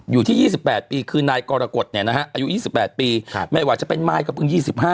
อยู่ที่๒๘ปีคือนายกรกฎเนี่ยนะครับอายุ๒๘ปีไม่ว่าจะเป็นมายก็เป็น๒๕